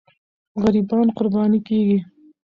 غریبان قرباني کېږي.